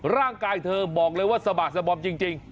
ร่างกายเธอบอกเลยว่าสบาสบอมจริง